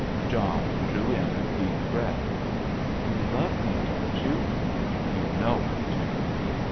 John drew in a deep breath. "You love me, don't you?" "You know I do."